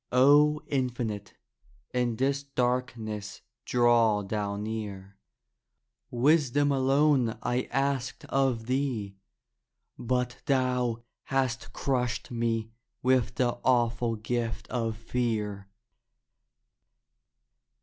O Infinite, in this darkness draw thou near. Wisdom alone I asked of thee, but thou Hast crushed me with the awful gift of fear.